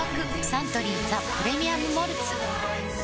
サントリー「ザ・プレミアム・モルツ」